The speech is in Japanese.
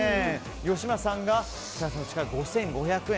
吉村さんが５５００円。